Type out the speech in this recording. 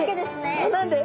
そうなんです。